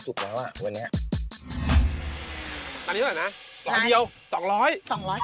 หมดมั้ยค่ะเหรอหมดเรากินหมดแล้ว